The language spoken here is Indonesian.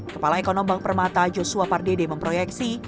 kepala ekonomi bank permata joshua pardede memproyeksi